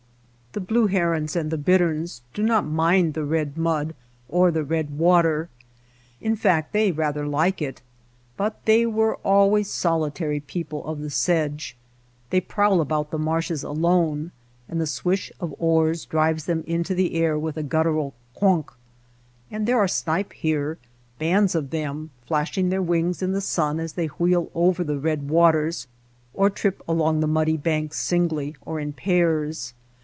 The blue herons and the bitterns do not mind the red mud or the red water, in fact they rather like it ; but they were always solitary people of the sedge. They prowl about the marshes alone and the swish of oars drives them into the air with a guttural ^^Quowk.^^ And there are snipe here, bands of them, flashing their wings in the sun as they wheel over the THE SILENT RIVEK 71 red waters or trip along the muddy banks singly or in pairs.